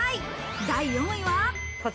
第４位は。